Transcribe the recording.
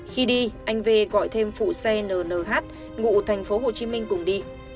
khi đi anh v gọi thêm phụ xe nhn ngụ thành phố hồ chí minh cùng đi